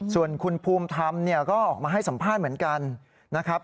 ส่วนคุณภูมิธรรมเนี่ยก็ออกมาให้สัมภาษณ์เหมือนกันนะครับ